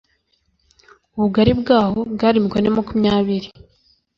ubugari bwaho bwari mikono makumyabiri